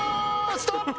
ストップ！